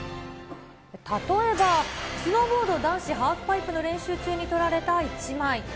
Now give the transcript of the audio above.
例えば、スノーボード男子ハーフパイプの練習中に撮られた１枚。